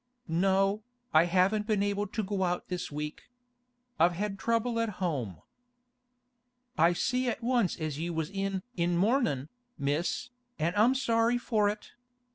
'No, I haven't been able to go out this week. I've had trouble at home.' 'I see at once as you was in in mournin', Miss, an' I'm sorry for it.